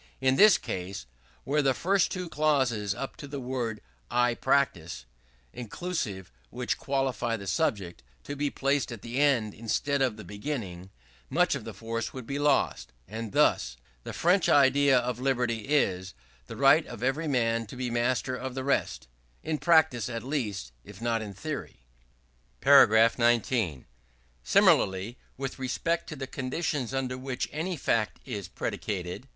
In this case, were the first two clauses, up to the word "I practice" inclusive, which qualify the subject, to be placed at the end instead of the beginning, much of the force would be lost; as thus: "The French idea of liberty is the right of every man to be master of the rest; in practice at least, if not in theory." § 19. Similarly with respect to the conditions under which any fact is predicated.